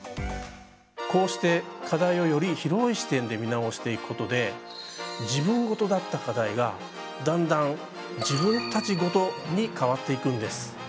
こうして課題をより広い視点で見直していくことで「自分事」だった課題がだんだん「自分たち事」に変わっていくんです。